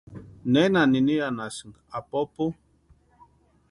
¿Nena niniranhasïni apupu?